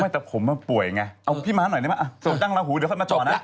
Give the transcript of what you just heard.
แต่ผมป่วยไงเอาพี่ม้าหน่อยได้ไหมส่งตั้งลาหูเดี๋ยวค่อยมาจอดนะ